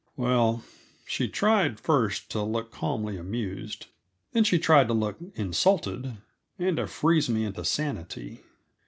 Well, she tried first to look calmly amused; then she tried to look insulted, and to freeze me into sanity.